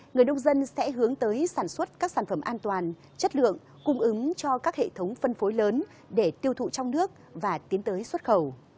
người nông dân sẽ hướng tới sản xuất các sản phẩm an toàn chất lượng cung ứng cho các hệ thống phân phối lớn để tiêu thụ trong nước và tiến tới xuất khẩu